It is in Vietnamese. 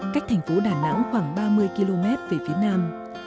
cách thành phố đà nẵng khoảng ba mươi km về phía nam